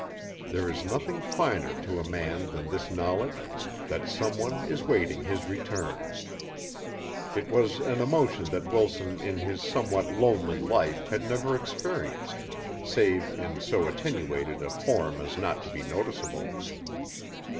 There is nothing finer to a man than this knowledge, that some one is waiting his return. It was an emotion that Wilson in his somewhat lonely life had never experienced save in so attenuated a form as not to be noticeable.